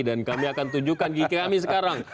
dan kami akan tunjukkan gigi kami sekarang